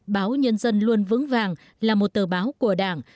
báo nhân dân luôn vững vàng là một tờ báo của đảng